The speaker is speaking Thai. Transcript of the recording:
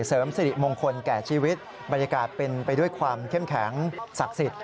เสริมสิริมงคลแก่ชีวิตบรรยากาศเป็นไปด้วยความเข้มแข็งศักดิ์สิทธิ